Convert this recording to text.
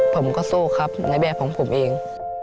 ผมก็สู้ครับในแบบของผมเอง